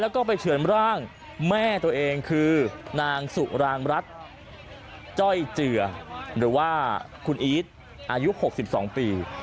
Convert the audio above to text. แล้วก็ไปเฉินร่างแม่ตัวเองคือนางสุรางรัฐจ้อยเจือหรือว่าคุณอีทอายุ๖๒ปี